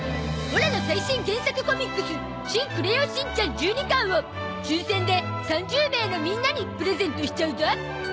オラの最新原作コミックス『新クレヨンしんちゃん』１２巻を抽選で３０名のみんなにプレゼントしちゃうゾ！